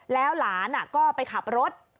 แล้วหลานก็ไปขับรถ